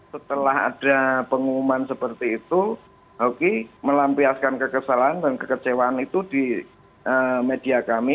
setelah ada pengumuman seperti itu hoki melampiaskan kekesalan dan kekecewaan itu di media kami